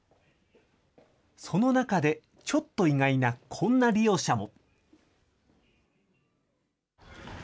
その中でちょっと意外なこんな利用者も。